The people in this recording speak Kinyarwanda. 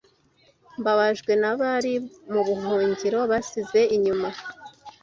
mbabajwe nabari mu buhungiro basize inyuma